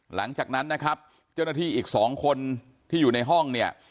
หลังจากนั้นนะครับเจ้าหน้าที่อีกสองคนที่อยู่ในห้องเนี่ย